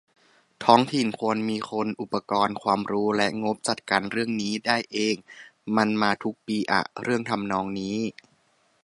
ท้องถิ่นควรมีคน อุปกรณ์ ความรู้ และงบ จัดการเรื่องนี้ได้เอง มันมาทุกปีอะ เรื่องทำนองนี้